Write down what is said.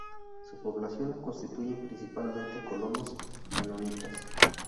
Su población la constituyen principalmente colonos menonitas.